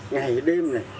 ngày đêm này